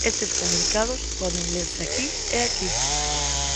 Estes comunicados poden lerse aquí e aquí.